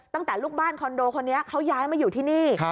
ตั้งแต่ลูกบ้านคอนโดคนนี้เขาย้ายมาอยู่ที่นี่